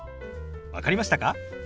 分かりましたか？